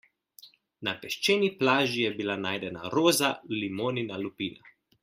Na peščeni plaži je bila najdena roza limonina lupina.